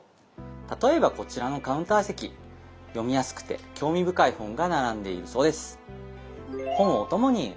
例えばこちらのカウンター席読みやすくて興味深い本が並んでいるそうです。